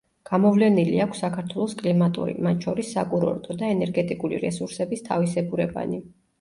გამოვლენილი აქვს საქართველოს კლიმატური, მათ შორის საკურორტო და ენერგეტიკული რესურსების თავისებურებანი.